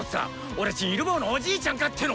俺ちんイル坊のおじいちゃんかっての！